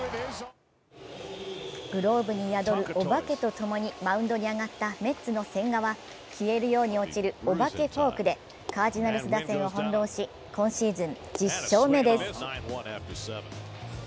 グローブに宿るお化けと共にマウンドに上がったメッツの千賀は消えるように落ちるお化けフォークでカージナルス打線を翻弄し今シーズン１０勝目です。